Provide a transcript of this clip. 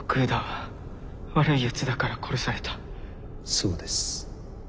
そうです。